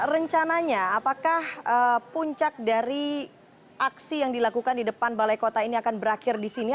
rencananya apakah puncak dari aksi yang dilakukan di depan balai kota ini akan berakhir di sini